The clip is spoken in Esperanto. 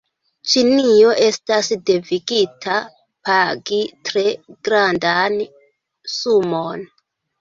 Ĉinio estas devigita pagi tre grandan sumon.